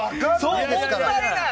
もったいない！